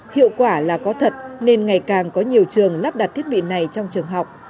hiệu quả là có thật nên ngày càng có nhiều trường lắp đặt thiết bị này trong trường học